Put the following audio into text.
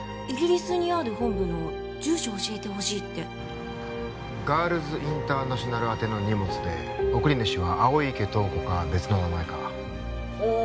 イギリスにある本部の住所を教えてほしいってガールズインターナショナル宛ての荷物で送り主は青池透子か別の名前かあ